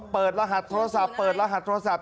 รหัสโทรศัพท์เปิดรหัสโทรศัพท์